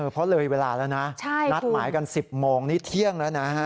เพราะเลยเวลาแล้วนะนัดหมายกัน๑๐โมงนี้เที่ยงแล้วนะฮะ